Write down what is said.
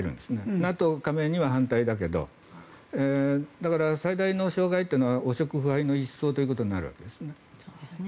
ＮＡＴＯ加盟には反対だけどだから最大の障害は汚職、腐敗の一掃ということになるわけですね。